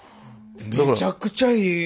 めちゃくちゃいい。